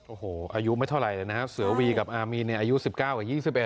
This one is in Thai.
โอ้โหอายุไม่เท่าไหร่เลยนะฮะเสือวีกับอามีนอายุ๑๙กับ๒๑